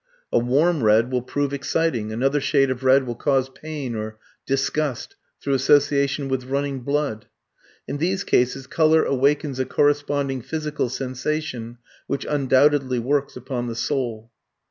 A warm red will prove exciting, another shade of red will cause pain or disgust through association with running blood. In these cases colour awakens a corresponding physical sensation, which undoubtedly works upon the soul.